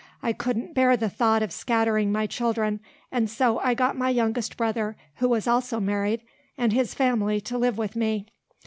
I couldn't bear the thought of scattering my children, and so I got my youngest brother, who was also married, and his family to live with me.